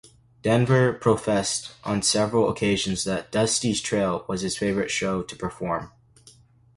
Denver professed on several occasions that "Dusty's Trail" was his favorite show to perform.